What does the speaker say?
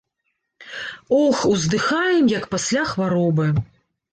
Ох, уздыхаем, як пасля хваробы.